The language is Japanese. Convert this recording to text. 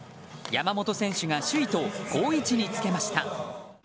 山本選手が首位と好位置につけました。